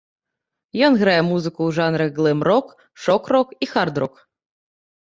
Ён грае музыку ў жанрах глэм-рок, шок-рок і хард-рок.